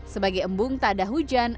sebagai embung tak ada hujan